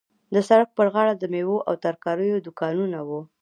د سړک پر غاړه د میوو او ترکاریو دوکانونه وو.